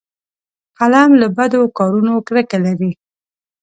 قلم له بدو کارونو کرکه لري